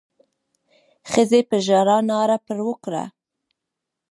ښځې په ژړا ناره پر وکړه.